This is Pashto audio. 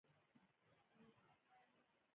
ډاکټرانو په لوړ غږ نرسانو ته سپارښتنې کولې.